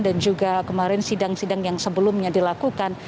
juga kemarin sidang sidang yang sebelumnya dilakukan